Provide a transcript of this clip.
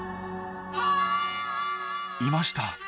いました。